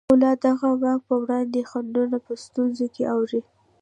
خو لا د دغه واک په وړاندې خنډونه په ستونزو کې اوړي.